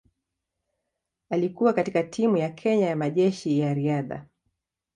Alikuwa katika timu ya Kenya ya Majeshi ya Riadha.